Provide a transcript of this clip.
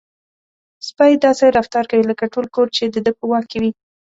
سپی داسې رفتار کوي لکه ټول کور چې د ده په واک کې وي.